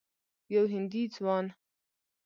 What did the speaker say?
یو هندي ځوان